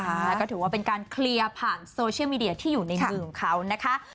แล้วก็ถือว่าเป็นการเคลียร์ผ่านโซเชียลมีเดียที่อยู่ในมือของเขานะคะ